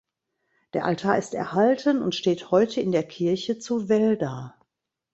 Der Altar ist erhalten und steht heute in der Kirche zu Welda.